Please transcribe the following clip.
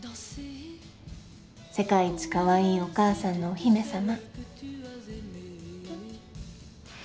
世界一可愛いお母さんのお姫様。